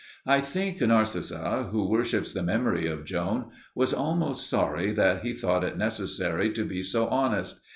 I think Narcissa, who worships the memory of Joan, was almost sorry that he thought it necessary to be so honest.